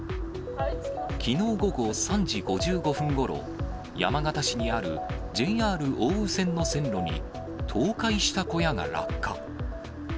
きのう午後３時５５分ごろ、山形市にあるＪＲ奥羽線の線路に、倒壊した小屋が落下。